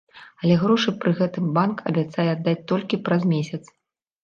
Але грошы пры гэтым банк абяцае аддаць толькі праз месяц.